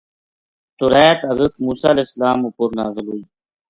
توریت حضرت موسی علیہ السلام اپر نازل ہوئی۔